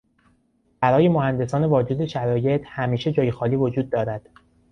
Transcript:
برای مهندسان واجد شرایط همیشه جای خالی وجود دارد.